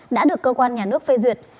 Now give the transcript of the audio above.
đã được cơ quan nhà nước phê duyệt